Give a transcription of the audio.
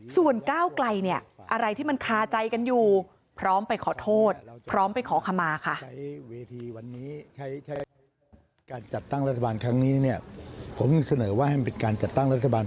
ส่วนก้าวไกลเนี่ยอะไรที่มันคาใจกันอยู่พร้อมไปขอโทษพร้อมไปขอขมาค่ะ